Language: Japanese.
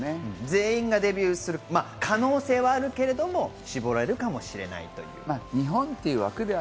全員がデビューする可能性はあるけれども絞られるかもしれないと。